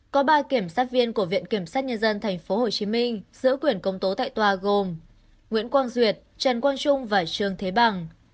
có ba kiểm sát viên của viện kiểm sát nhân dân tp hcm giữ quyền công tố tại tòa gồm nguyễn quang duyệt trần quang trung và trương thế bằng